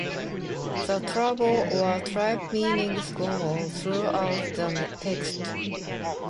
The double or triple meanings go on throughout the text.